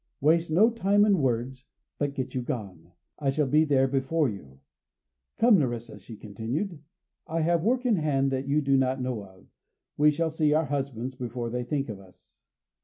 Waste no time in words, but get you gone. I shall be there before you.... Come, Nerissa," she continued, "I have work in hand that you do not yet know of; we shall see our husbands before they think of us!"